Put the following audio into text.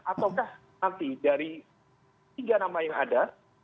ataukah nanti dari tiga nama yang ada